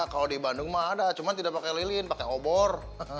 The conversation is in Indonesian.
kalau di bandung mah ada cuma tidak pakai lilin pakai obor